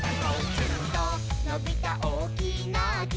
「ヅンとのびたおおきなき」